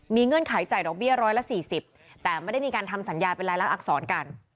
เงื่อนไขจ่ายดอกเบี้ยร้อยละ๔๐แต่ไม่ได้มีการทำสัญญาเป็นรายลักษรกัน